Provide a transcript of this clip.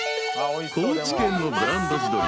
［高知県のブランド地鶏